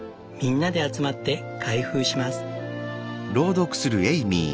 みんなで集まって開封します」。